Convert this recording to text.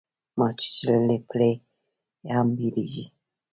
مار چیچلی له پړي هم بېريږي.